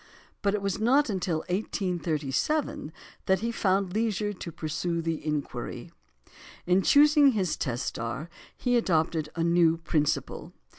But it was not until 1837 that he found leisure to pursue the inquiry. In choosing his test star he adopted a new principle.